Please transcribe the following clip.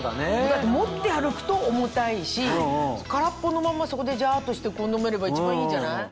だって持って歩くと重たいし空っぽのまんまそこでジャっとして飲めれば一番いいんじゃない？